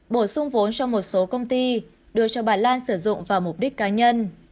bổ sung vốn cho một số công ty đưa cho bà lan sử dụng vào mục đích cá nhân